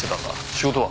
仕事は？